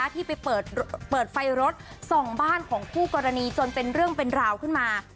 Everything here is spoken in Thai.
ที่ไปเปิดไฟรถส่องบ้านของคู่กรณีจนเป็นเรื่องเป็นราวขึ้นมา